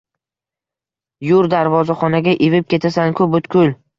Yur darvozaxonaga ivib ketasan-ku butkul!